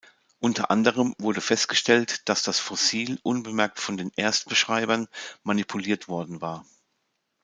Unter anderem wurde festgestellt, dass das Fossil, unbemerkt von den Erstbeschreibern, manipuliert worden war.